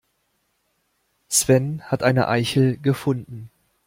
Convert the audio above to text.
Sven hat eine Eichel gefunden.